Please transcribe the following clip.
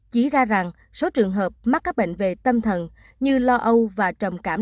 chỉ ra rằng số trường hợp mắc các bệnh về tâm thần như lo âu và trầm cảm